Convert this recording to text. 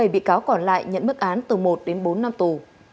bảy bị cáo còn lại nhận mức án từ một đến bốn năm tù